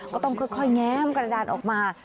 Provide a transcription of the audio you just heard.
ก็ต้องค่อยแง้มกระดานออกมา